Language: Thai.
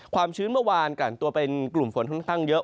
ความชื้นเมื่อวานกลั่นตัวเป็นกลุ่มฝนค่อนข้างเยอะ